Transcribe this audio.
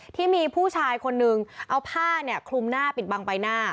ที่มีผู้ชายคนนึงเอาผ้าเนี่ยคลุมหน้าปิดบังใบหน้า